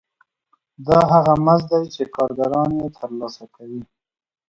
دا هغه مزد دی چې کارګران یې ترلاسه کوي